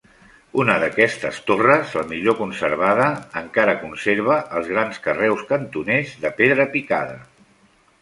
Una d'aquestes torres, la millor conservada, encara conserva els grans carreus cantoners de pedra picada.